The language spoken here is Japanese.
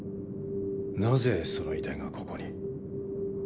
なぜその遺体がここに？